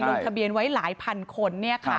ลงทะเบียนไว้หลายพันคน